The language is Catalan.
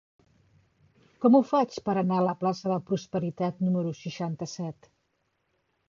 Com ho faig per anar a la plaça de Prosperitat número seixanta-set?